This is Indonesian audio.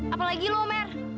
apalagi lu mer